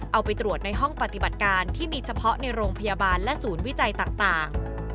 เอาไปตรวจในห้องปฏิบัติการที่มีเฉพาะในโรงพยาบาลและศูนย์วิจัยต่าง